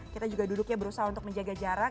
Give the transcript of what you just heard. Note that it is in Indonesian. kita juga duduknya berusaha untuk menjaga jarak